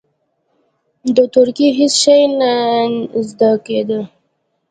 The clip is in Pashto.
د تورکي هېڅ شى نه زده کېده.